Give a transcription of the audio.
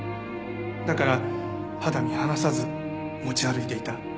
だから肌身離さず持ち歩いていた。